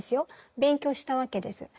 勉強したわけです。